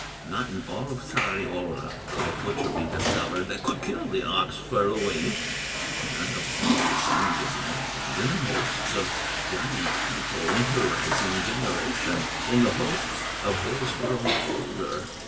Not in all of Sariola Could a butcher be discovered That could kill the ox for Louhi, None of all the sons of Northland, In her hosts of giant people, In her rising generation, In the hosts of those grown older.